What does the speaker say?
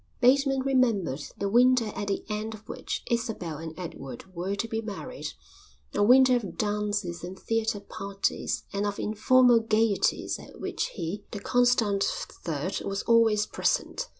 Bateman remembered the winter at the end of which Isabel and Edward were to be married, a winter of dances and theatre parties and of informal gaieties at which he, the constant third, was always present.